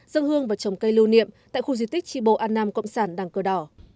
dân hương và trồng cây lưu niệm tại khu di tích tri bộ an nam cộng sản đảng cờ đỏ